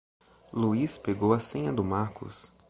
Luiz pegou a senha do Marcos.